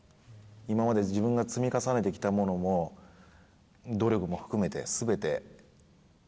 今まで自分が積み重ねてきたものも努力も含めて全て。